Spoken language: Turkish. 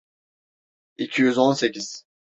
İki yüz on sekiz.